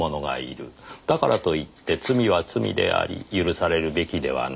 「だからといって罪は罪であり許されるべきではない」